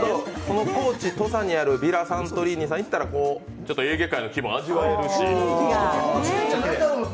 高知・土佐にあるヴィラ・サントリーニに行ったらエーゲ海の気分、味わえるし。